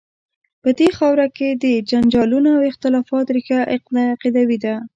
په دې خاوره کې د جنجالونو او اختلافات ریښه عقیدوي ده.